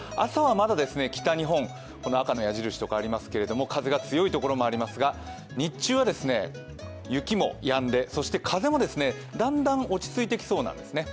朝はまだ北日本、赤の矢印とかありますけど風が強いところがありますが日中は雪もやんで、そして風もだんだん落ち着いてきそうなんです。